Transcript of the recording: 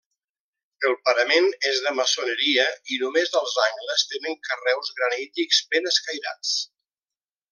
El parament és de maçoneria i només els angles tenen carreus granítics ben escairats.